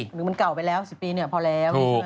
หรือมันเก่าไปแล้ว๑๐ปีพอแล้ว